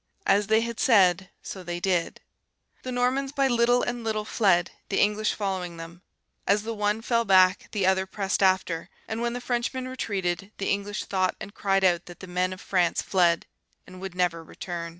As they had said, so they did. The Normans by little and little fled, the English following them. As the one fell back, the other pressed after; and when the Frenchmen retreated, the English thought and cried out that the men of France fled, and would never return.